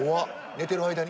寝てる間に。